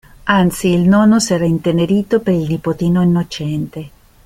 Anzi il nonno s'era intenerito per il nipotino innocente.